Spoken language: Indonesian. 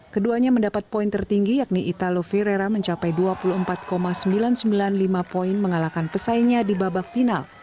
keduanya mendapat poin tertinggi yakni italo verrera mencapai dua puluh empat sembilan ratus sembilan puluh lima poin mengalahkan pesaingnya di babak final